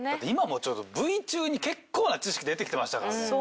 今もちょっとブイ中に結構な知識出てきてましたからね。